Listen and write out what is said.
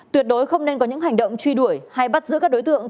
tuyệt đối không nên có những hành động truy đuổi hay bắt giữ các đối tượng